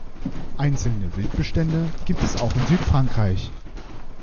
Einzelne Wildbestände gibt es auch in Südfrankreich.